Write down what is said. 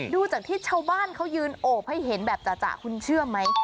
ดูจากที่ชาวบ้านเขายืนโอบให้เห็นแบบจ่ะคุณเชื่อไหม